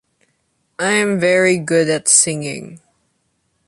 I'm very good at singing!